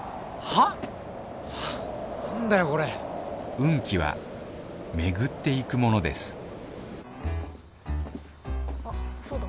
運気は巡っていくものですあそうだ。